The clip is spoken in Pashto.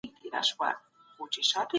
هر نسل دا تجربه تکراروي.